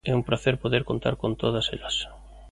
É un pracer poder contar con todas elas.